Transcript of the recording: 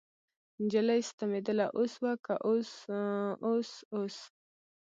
نجلۍ ستمېدله اوس وکه اوس اوس اوس.